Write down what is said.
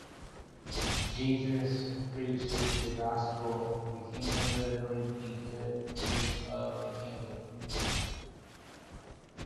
Jesus preaches the gospel of the kingdom, literally the good news of the kingdom.